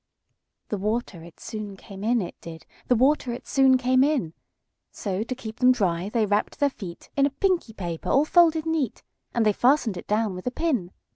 The water it soon came in, it did; The water it soon came in:So, to keep them dry, they wrapp'd their feetIn a pinky paper all folded neat:And they fasten'd it down with a pin.